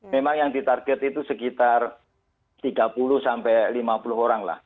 memang yang ditarget itu sekitar tiga puluh sampai lima puluh orang lah